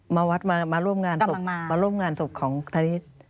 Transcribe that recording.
มาวัดมาร่วมงานศพของธนิษฐ์